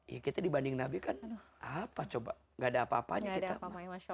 ya kita dibanding nabi kan apa coba gak ada apa apanya kita